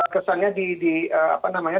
kesannya di apa namanya